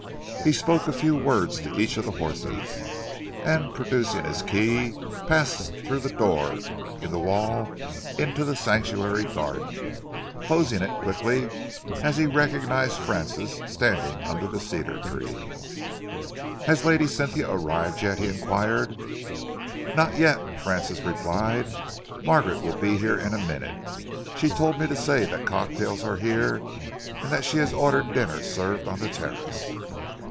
He spoke a few words to each of the horses, and, producing his key, passed through the door in the wall into The Sanctuary garden, closing it quickly as he recognised Francis standing under the cedar tree. "Has Lady Cynthia arrived yet?" he enquired. "Not yet," Francis replied. "Margaret will be here in a minute. She told me to say that cocktails are here and that she has ordered dinner served on the terrace."